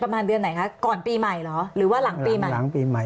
ประมาณเดือนไหนครับก่อนปีใหม่หรอหรือว่าหลังปีใหม่